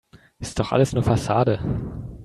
Ist doch alles nur Fassade.